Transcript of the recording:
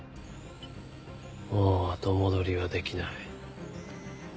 もう後戻りはできない。